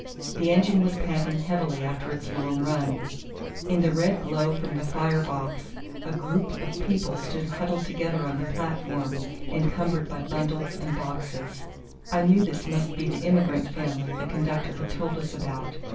The engine was panting heavily after its long run. In the red glow from the fire box, a group of people stood huddled together on the platform, encumbered by bundles and boxes. I knew this must be the immigrant family the conductor had told us about.